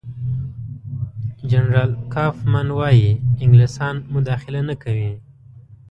جنرال کوفمان وايي انګلیسان مداخله نه کوي.